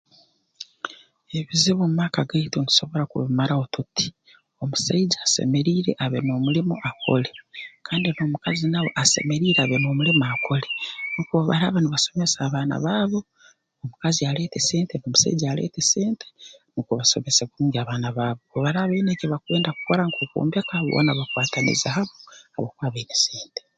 Ebizibu mu maka gaitu ntusobora kubimaraho tuti omusaija asemeriire abe n'omulimo akole kandi n'omukazi nawe asemeriire abe n'omulimo akole nukwo obu baraaba nibasomesa abaana baabo omukazi aleete sente n'omusaija aleete sente nukwo basomese kurungi abaana baabo obu baraaba baine ekibakwenda kukora kwombeka boona bakwatanize hamu habwokuba baine sente